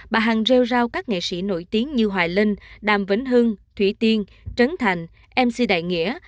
bà hằng rêu rao các nghệ sĩ nổi tiếng như hoài linh đàm vĩnh hưng thủy tiên trấn thành mc đại nghĩa